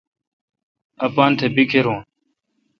اپان تھ بیکھر رون۔